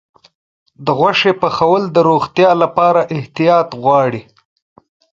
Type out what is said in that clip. د غوښې پخول د روغتیا لپاره احتیاط غواړي.